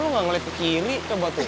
lo nggak ngeliat ke kiri coba tuh